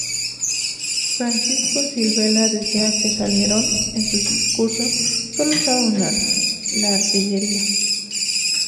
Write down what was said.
Francisco Silvela decía que Salmerón, en sus discursos, sólo usaba un arma: la artillería.